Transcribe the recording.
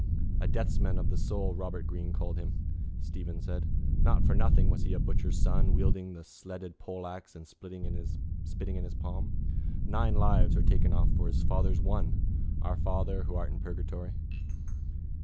—A deathsman of the soul Robert Greene called him, Stephen said. Not for nothing was he a butcher's son, wielding the sledded poleaxe and spitting in his palms. Nine lives are taken off for his father's one. Our Father who art in purgatory.